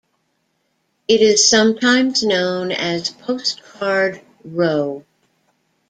It is sometimes known as Postcard Row.